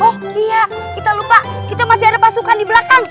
oh iya kita lupa kita masih ada pasukan di belakang